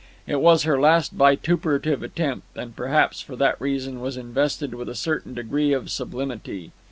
It was her last vituperative attempt, and perhaps for that reason was invested with a certain degree of sublimity.